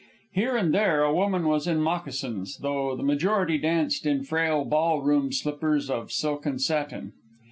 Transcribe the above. Here and there a woman was in moccasins, though the majority danced in frail ball room slippers of silk and satin.